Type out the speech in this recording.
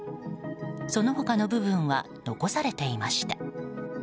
その他の部分は残されていました。